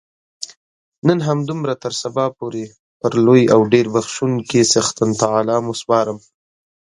نن همدومره تر سبا پورې پر لوی او ډېر بخښونکي څښتن تعالا مو سپارم.